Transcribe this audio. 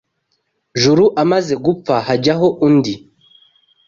Juru amaze gupfa hajyaho undi